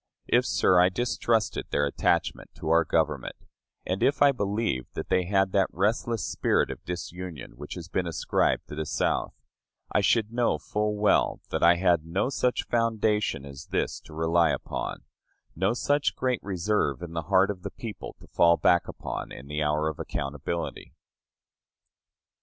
If, sir, I distrusted their attachment to our Government, and if I believed that they had that restless spirit of disunion which has been ascribed to the South, I should know full well that I had no such foundation as this to rely upon no such great reserve in the heart of the people to fall back upon in the hour of accountability.